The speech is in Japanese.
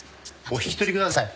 お引き取りください。